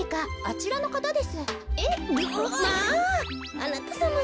あなたさまが。